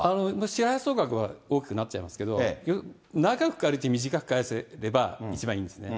支払い総額は大きくなっちゃいますけど、長く借りて短く返せれば一番いいんですね。